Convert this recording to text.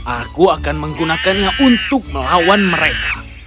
aku akan menggunakannya untuk melawan mereka